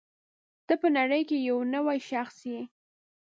ته په نړۍ کې یو نوی شخص یې.